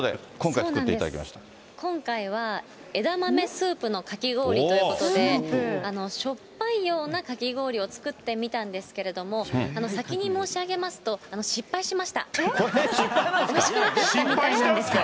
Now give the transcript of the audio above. そうなんです、今回は枝豆スープのかき氷ということ、しょっぱいようなかき氷を作ってみたんですけれども、先に申し上失敗なんですか。